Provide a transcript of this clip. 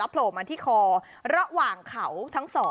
โผล่มาที่คอระหว่างเขาทั้ง๒